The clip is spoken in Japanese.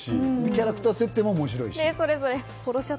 キャラクター設定も面白いし。